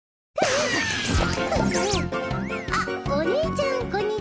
あっおねいちゃんこんにちは。